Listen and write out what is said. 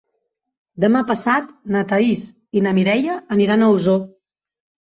Demà passat na Thaís i na Mireia aniran a Osor.